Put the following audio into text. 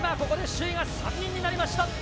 首位が３人になりました。